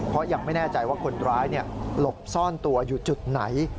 เพราะยังไม่แน่ใจว่าคนร้ายหลบซ่อนตัวอยู่จุดไหน